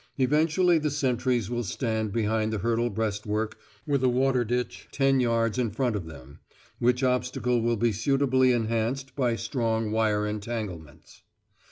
Eventually the sentries will stand behind the hurdle breastwork with a water ditch ten yards in front of them, which obstacle will be suitably enhanced by strong wire entanglements.